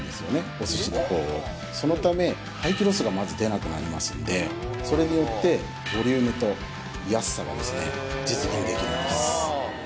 お寿司の方をそのため廃棄ロスがまず出なくなりますんでそれによってボリュームと安さがですね実現できるんです